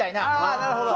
あなるほど！